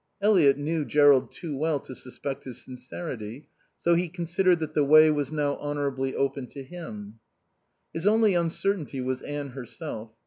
Eliot knew Jerrold too well to suspect his sincerity, so he considered that the way was now honorably open to him. His only uncertainty was Anne herself.